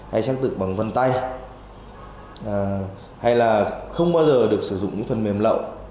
hay xác thực bằng vân tay hay là không bao giờ được sử dụng những phần mềm lậu